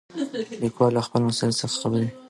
لیکوال له خپل مسؤلیت څخه خبر دی.